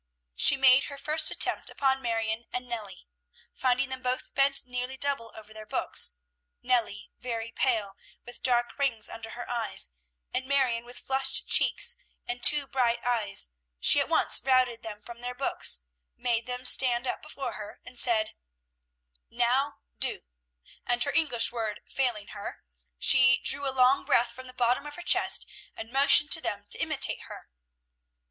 She made her first attempt upon Marion and Nellie. Finding them both bent nearly double over their books, Nellie very pale, with dark rings under her eyes, and Marion with flushed cheeks and too bright eyes, she at once routed them from their books, made them stand up before her, and said, "Now, do" and her English word failing her, she drew a long breath from the bottom of her chest, and motioned to them to imitate her.